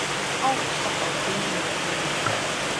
Algo está faltando em tudo.